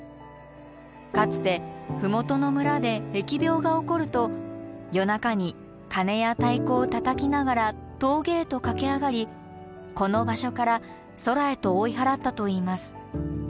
かつて麓の村で疫病が起こると夜中に鐘や太鼓をたたきながら峠へと駆け上がりこの場所から空へと追い払ったといいます。